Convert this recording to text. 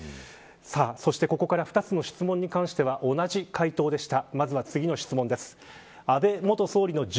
そしてここから２つの質問に関して同じ回答でした。